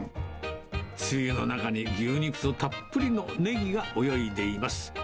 つゆの中に牛肉とたっぷりのねぎが泳いでいます。